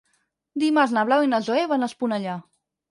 Dimarts na Blau i na Zoè van a Esponellà.